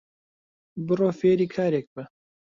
بڕۆ فێری کارێک بە